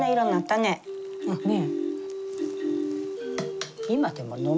ねえ。